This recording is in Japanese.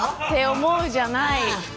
そう思うじゃない。